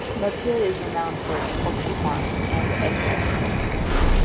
Laitila is renowned for its poultry farms and egg festival.